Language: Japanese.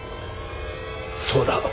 そうだ。